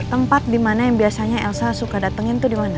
tempat dimana yang biasanya elsa suka datengin tuh dimana